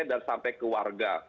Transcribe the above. dan sampai ke warga